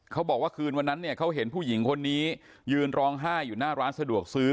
เขาบอกว่าคืนวันนั้นเนี่ยเขาเห็นผู้หญิงคนนี้ยืนร้องไห้อยู่หน้าร้านสะดวกซื้อ